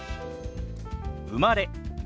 「生まれ」。